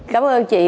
cảm ơn chị